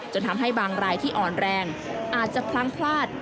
จนทำให้บางรายที่อ่อนแรงอาจจะพลั้งพลาด